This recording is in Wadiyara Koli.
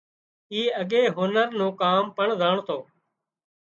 اي اڳي هنر نُون ڪام پڻ زانڻتو